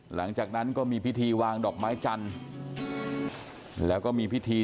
หลังจากนั้นก็มีพิธีวางดอกไม้จันทร์แล้วก็มีพิธี